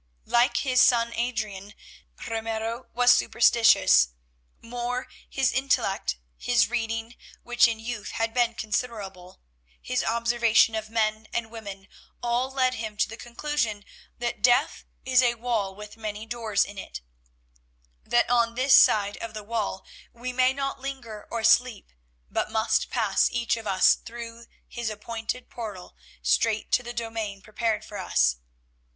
Like his son, Adrian, Ramiro was superstitious; more, his intellect, his reading, which in youth had been considerable, his observation of men and women, all led him to the conclusion that death is a wall with many doors in it; that on this side of the wall we may not linger or sleep, but must pass each of us through his appointed portal straight to the domain prepared for us.